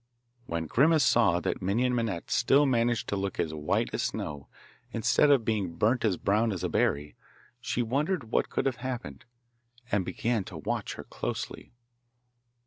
When Grimace saw that Minon Minette still managed to look as white as snow, instead of being burnt as brown as a berry, she wondered what could have happened, and began to watch her closely.